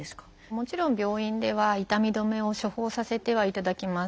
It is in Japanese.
もちろん病院では痛み止めを処方させてはいただきます。